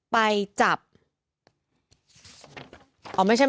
ไปจับ